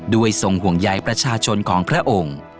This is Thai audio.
ทรงห่วงใยประชาชนของพระองค์